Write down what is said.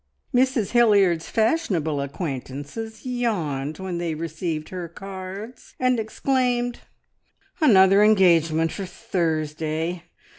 Mrs Hilliard's fashionable acquaintances yawned when they received her cards, and exclaimed, "Another engagement for Thursday!